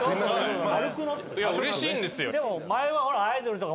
いやうれしいんですよ。